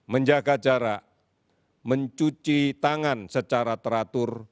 menjaga jarak mencuci tangan secara teratur